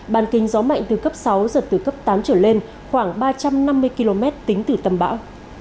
bàn kinh gió mạnh từ cấp sáu giật từ cấp tám trở lên khoảng ba trăm năm mươi km tính từ tâm bão